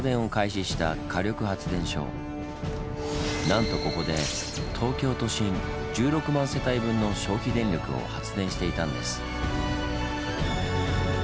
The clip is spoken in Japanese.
なんとここで東京都心１６万世帯分の消費電力を発電していたんです。